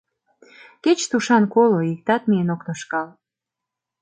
Кеч тушан коло, иктат миен ок тошкал.